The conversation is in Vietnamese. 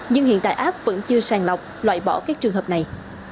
nhưng hiện tại app vẫn chưa sàn lọc loại bỏ các trường hợp này